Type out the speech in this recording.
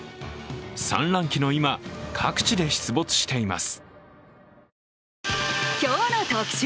産卵期の今、各地で出没しています